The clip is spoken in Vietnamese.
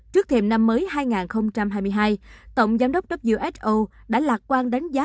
trước thêm năm mới hai nghìn hai mươi hai tổng giám đốc upso đã lạc quan đánh giá